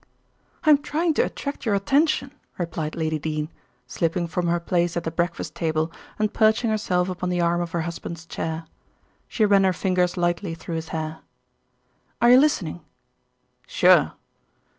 "I'm trying to attract your attention," replied Lady Dene, slipping from her place at the breakfast table and perching herself upon the arm of her husband's chair. She ran her fingers lightly through his hair. "Are you listening?" "Sure!"